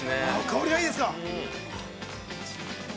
◆香りがいいですか。